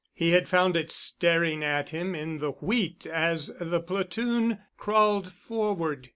He had found it staring at him in the wheat as the platoon crawled forward.